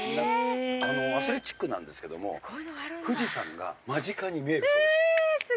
アスレチックなんですけども富士山が間近に見えるそうです。